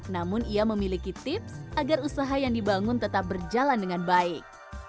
namun ia memiliki tips agar usaha yang dibangun tetap berjalan dengan baik